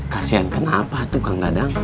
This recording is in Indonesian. kasian kenapa tuh kang gadang